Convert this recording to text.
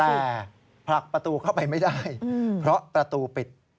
แต่ผลักประตูเข้าไปไม่ได้เพราะประตูปิด